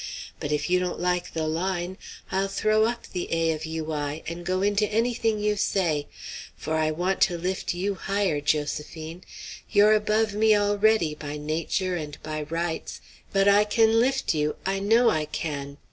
But if you don't like the line, I'll throw up the 'A. of U. I.' and go into any thing you say; for I want to lift you higher, Josephine. You're above me already, by nature and by rights, but I can lift you, I know I can.